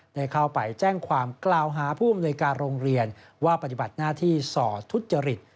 ได้เข้าไปแจ้งความกล่าวหาผู้อำนวยการโรงเรียนว่าปฏิบัติหน้าที่ส่อทุจริต